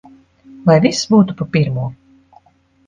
Lai viss būtu pa pirmo!